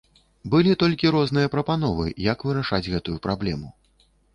Былі толькі розныя прапановы, як вырашаць гэтую праблему.